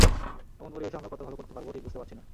এমন পরিবেশে আমরা কতটা ভালো করতে পারব ঠিক বুঝতে পারছি না।